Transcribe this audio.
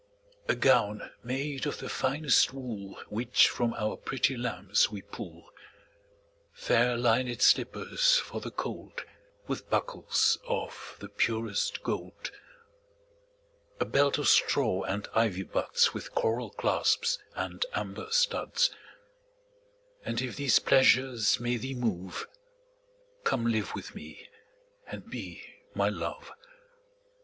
A gown made of the finest wool Which from our pretty lambs we pull; Fair linèd slippers for the cold, 15 With buckles of the purest gold. A belt of straw and ivy buds With coral clasps and amber studs: And if these pleasures may thee move, Come live with me and be my Love.